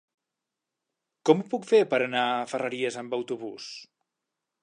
Com ho puc fer per anar a Ferreries amb autobús?